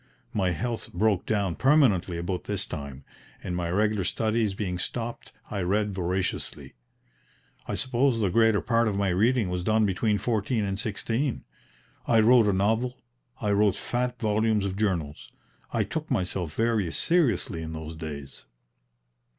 My health broke down permanently about this time, and my regular studies being stopped I read voraciously. I suppose the greater part of my reading was done between fourteen and sixteen. I wrote a novel, I wrote fat volumes of journals; I took myself very seriously in those days."